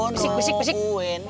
bersih bersih bersih